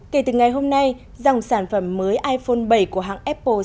kể từ ngày hôm nay dòng sản phẩm mới iphone bảy của hãng apple